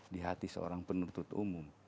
di hati seorang penuntut umum